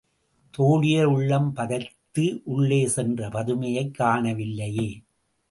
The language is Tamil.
தோழியர்கள் உள்ளம் பதைத்து, உள்ளே சென்ற பதுமையைக் காணவில்லையே!